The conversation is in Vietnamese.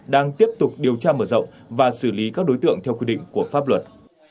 đang tiếp tục điều tra mở rộng và xử lý các đối tượng theo quy định của pháp luật